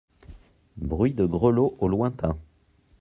Bruit de grelots au lointain.